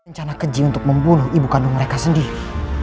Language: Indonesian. rencana keji untuk membunuh ibu kandung mereka sendiri